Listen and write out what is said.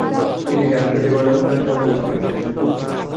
নিজেকে আটকাতে পারলাম না, জানোই তো আমি একটা কুকুর।